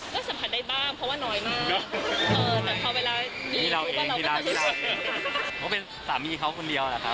ก็สัมผัสได้บ้างเพราะว่าน้อยมาก